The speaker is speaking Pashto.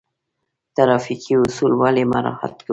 ټرافیکي اصول ولې مراعات کړو؟